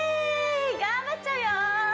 頑張っちゃうよ